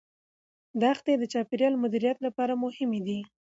دښتې د چاپیریال مدیریت لپاره مهمې دي.